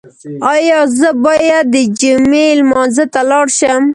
ایا زه باید د جمعې لمانځه ته لاړ شم؟